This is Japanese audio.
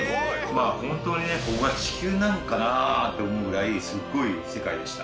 本当にここが地球なんかなって思うぐらいすごい世界でした。